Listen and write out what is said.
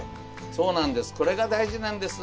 そうなんです